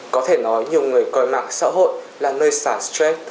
có thể nói nhiều người coi mạng xã hội là nơi xả stress